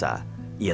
ia terlalu berpikir